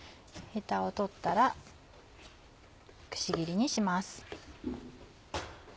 ヘタを取ったらくし切りにします。